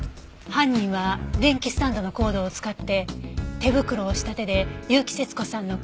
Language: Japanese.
犯人は電気スタンドのコードを使って手袋をした手で結城節子さんの首を絞めた。